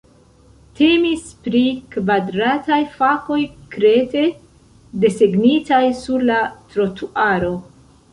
Temis pri kvadrataj fakoj krete desegnitaj sur la trotuaro.